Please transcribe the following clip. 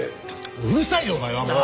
うるさいよお前はもう！